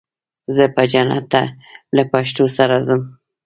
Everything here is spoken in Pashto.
زه به جنت ته له پښتو سره ځم.